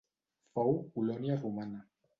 Fou colònia romana.